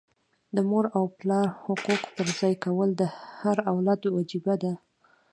د مور او پلار حقوق پرځای کول د هر اولاد وجیبه ده.